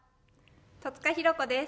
戸塚寛子です。